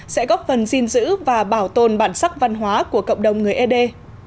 sẽ góp phần dinh dữ và bảo tồn bản sắc văn hóa của cộng đồng người ấy đê